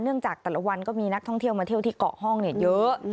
จากแต่ละวันก็มีนักท่องเที่ยวมาเที่ยวที่เกาะห้องเยอะ